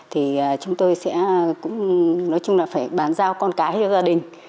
thì chúng tôi sẽ cũng nói chung là phải bán giao con cái cho gia đình